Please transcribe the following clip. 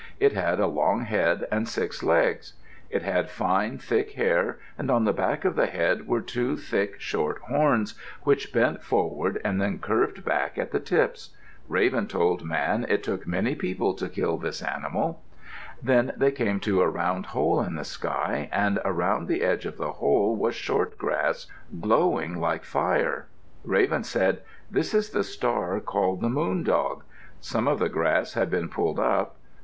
It had a long head and six legs. It had fine, thick hair, and on the back of the head were two thick, short horns which bent forward and then curved back at the tips. Raven told Man it took many people to kill this animal. Then they came to a round hole in the sky and around the edge of the hole was short grass, glowing like fire. Raven said, "This is the star called the moon dog." Some of the grass had been pulled up.